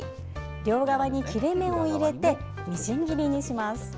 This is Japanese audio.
両側に切れ目を入れてみじん切りにします。